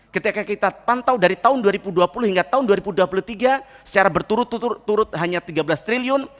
ketika kita pantau dari tahun dua ribu dua puluh hingga tahun dua ribu dua puluh tiga secara berturut turut turut hanya tiga belas triliun